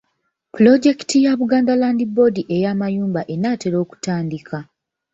Pulojekiti ya Buganda Land Board ey’amayumba enaatera okutandika.